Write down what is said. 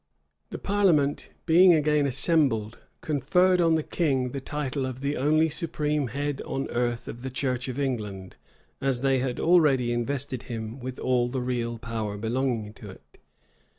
The parliament, being again assembled, conferred on the king the title of the only supreme "head" on earth of the church of England; as they had already invested him with all the real power belonging to it.